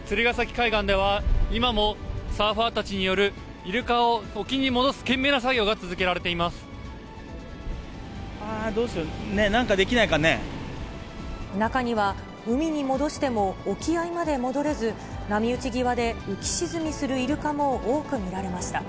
海岸では、今もサーファーたちによるイルカを沖に戻す懸命な作業が続けられうわー、どうしよう、なんか中には海に戻しても沖合まで戻れず、波打ち際で浮き沈みするイルカも多く見られました。